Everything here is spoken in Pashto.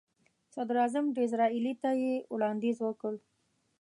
صدراعظم ډیزراییلي ته یې وړاندیز وکړ.